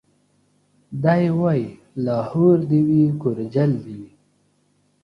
دی وايي لاهور دي وي کورجل دي وي